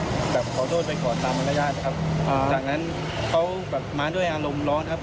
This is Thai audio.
กลับขอโทษไปก่อนตามมารยาทนะครับจากนั้นเขาแบบมาด้วยอารมณ์ร้อนครับ